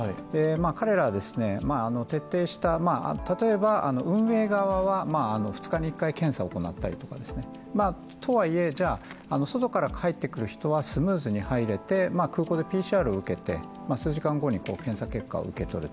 彼らは徹底した、例えば運営側は２日１回検査を行ったり、とはいえ、外から帰ってくる人はスムーズに入れて空港でＰＣＲを受けて数時間後に検査結果を受け取る。